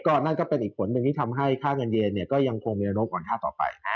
นั่นก็เป็นอีกผลหนึ่งที่ทำให้ค่าเงินเยนเนี่ยก็ยังคงมีอารมณ์อ่อนค่าต่อไป